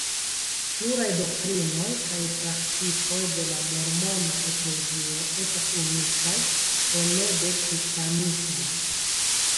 Pluraj doktrinoj kaj praktikoj de la mormona eklezio estas unikaj ene de kristanismo.